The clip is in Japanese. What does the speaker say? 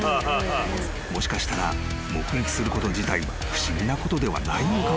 ［もしかしたら目撃すること自体は不思議なことではないのかもしれない］